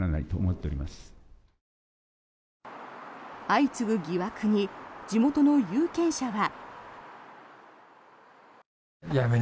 相次ぐ疑惑に地元の有権者は。